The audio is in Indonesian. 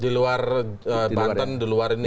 di luar banten di luar ini